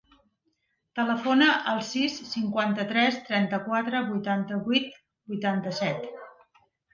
Telefona al sis, cinquanta-tres, trenta-quatre, vuitanta-vuit, vuitanta-set.